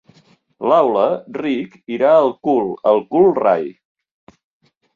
L'aula —ric!— irà al cul, al cul rai...